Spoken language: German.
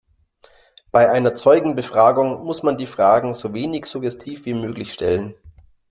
Bei einer Zeugenbefragung muss man die Fragen so wenig suggestiv wie möglich stellen.